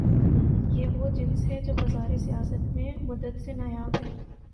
یہ وہ جنس ہے جو بازار سیاست میں مدت سے نایاب ہے۔